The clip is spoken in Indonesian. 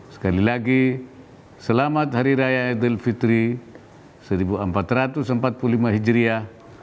sekali lagi selamat hari raya idul fitri seribu empat ratus empat puluh lima hijriah